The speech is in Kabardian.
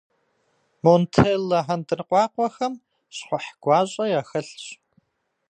Монтеллэ хьэндыркъуакъуэхэм щхъухь гуащӏэ яхэлъщ.